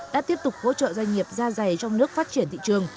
đã tiếp tục hỗ trợ doanh nghiệp gia giày trong nước phát triển thị trường